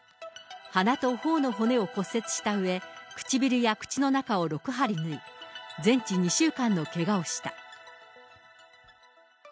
鼻と頬の骨を骨折したうえ、唇や口の中を６針縫い、全治２週間のけがをした。